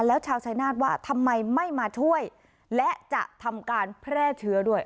แล้วชาวชายนาฏว่าทำไมไม่มาช่วยและจะทำการแพร่เชื้อด้วย